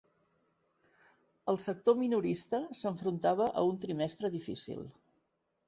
El sector minorista s'enfrontava a un trimestre difícil.